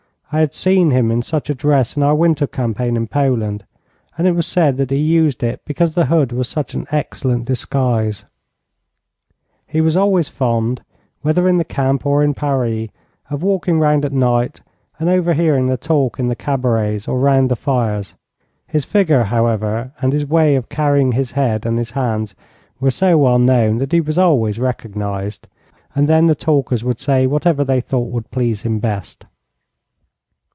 I had seen him in such a dress in our winter campaign in Poland, and it was said that he used it because the hood was such an excellent disguise. He was always fond, whether in the camp or in Paris, of walking round at night, and overhearing the talk in the cabarets or round the fires. His figure, however, and his way of carrying his head and his hands were so well known that he was always recognized, and then the talkers would say whatever they thought would please him best.